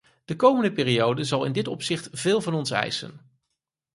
De komende periode zal in dit opzicht veel van ons eisen.